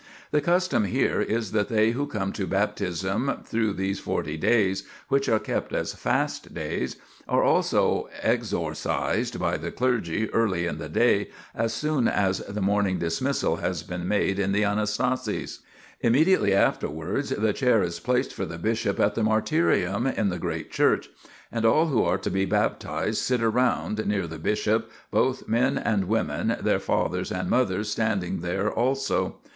The custom here is that they who come to Baptism through those forty days, which are kept as fast days, are first exorcised by the clergy early in the day, as soon as the morning dismissal has been made in the Anastasis. Immediately afterwards the chair is placed for the bishop at the martyrium in the great church, and all who are to be baptised sit around, near the bishop, both men and women, their fathers and mothers standing there also.